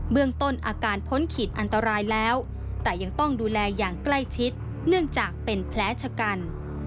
เมืองต้นอาการพ้นขีดอันตรายแล้วแต่ยังต้องดูแลอย่างใกล้ชิดเนื่องจากเป็นแผลชะกัน